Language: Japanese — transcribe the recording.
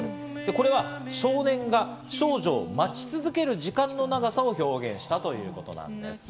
これは少年が少女を待ち続ける時間の長さを表現したということなんです。